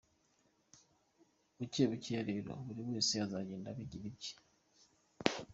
Bukebukeya rero, buri wese azagenda abigira ibye.